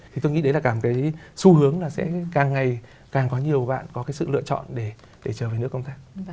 thì tôi nghĩ đấy là cả một cái xu hướng là sẽ càng ngày càng có nhiều bạn có cái sự lựa chọn để trở về nước công tác